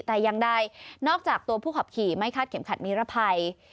แต่ยังใดนอกจากตัวผู้ขับขี่ไม่คาดเข็มขัดนิรภัย